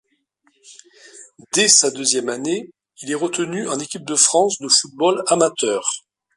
Dès sa deuxième année, il est retenu en équipe de France de football amateur.